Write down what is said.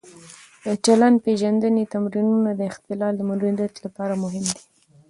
د چلند-پېژندنې تمرینونه د اختلال د مدیریت لپاره مهم دي.